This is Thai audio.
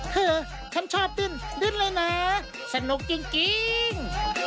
คือฉันชอบดิ้นดิ้นเลยนะสนุกจริง